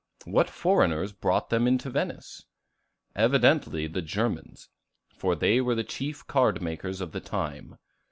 What foreigners brought them to Venice? Evidently the Germans; for they were the chief card makers of the time.